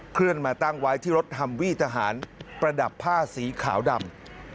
เคลื่อนมาตั้งไว้ที่รถฮัมวี่ทหารประดับผ้าสีขาวดำ